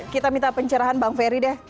kita minta pencerahan bang ferry deh